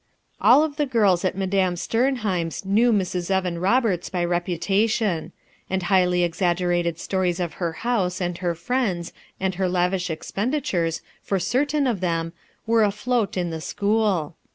All of the girls at Madame Sternheim's knew Mrs, Evan Roberts by reputation; and highly exaggerated stories of her house and her friends and her lavish expenditures for certain of them, were afloat in the school.